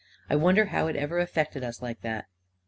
" I wonder how it ever affected us like that?